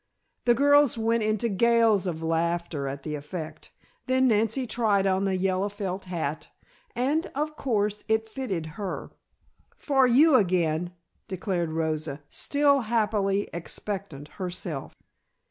The girls went into gales of laughter at the effect. Then Nancy tried on the yellow felt hat, and, of course, it fitted her. "For you again," declared Rosa, still happily expectant herself.